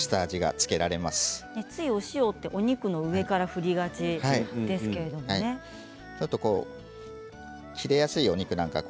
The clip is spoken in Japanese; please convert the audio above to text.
ついお塩ってお肉の上から振りがちですけれどもね。